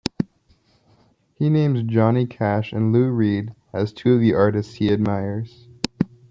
He names Johnny Cash and Lou Reed as two of the artists he admires.